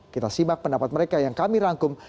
kita simak pendapat mereka yang kami rangkum